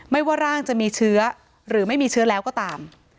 ว่าร่างจะมีเชื้อหรือไม่มีเชื้อแล้วก็ตาม